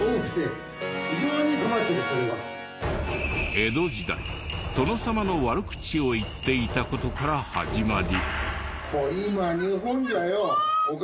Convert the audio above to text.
江戸時代殿様の悪口を言っていた事から始まり。